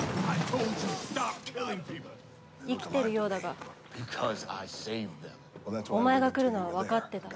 ◆生きているようだが、お前が来るのは分かってた。